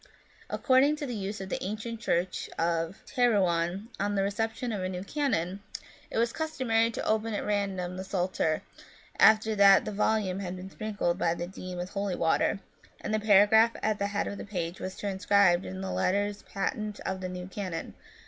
According to the use of the ancient church of Terouanne, on the reception of a new canon, it was customary to open at random the Psalter, after that the volume had been sprinkled by the dean with holy water, and the paragraph at the head of the page was transcribed in the letters patent of the new canon.